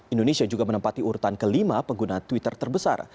indonesia juga menempati urutan kelima pengguna twitter terbesar